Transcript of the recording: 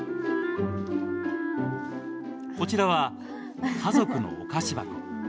こちらは、家族のお菓子箱。